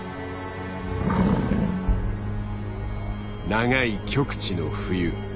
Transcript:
長い極地の冬。